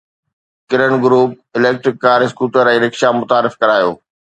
ڪرن group electric car scooter ۽ rickshaw متعارف ڪرايو